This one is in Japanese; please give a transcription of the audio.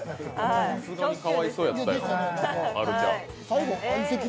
さすがにかわいそうやったよ、はるちゃん。